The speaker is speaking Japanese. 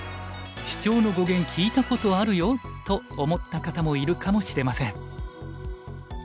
シチョウの語源聞いたことあるよ」と思った方もいるかもしれません。